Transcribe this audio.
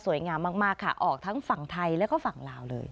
งามมากค่ะออกทั้งฝั่งไทยแล้วก็ฝั่งลาวเลย